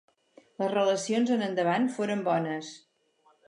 Les relacions en endavant foren bones.